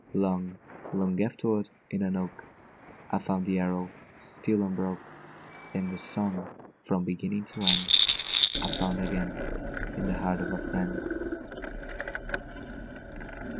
Long, long afterward, in an oak, I found the arrow still unbroke; And the song, from beginning to end, I found again in the heart of a friend.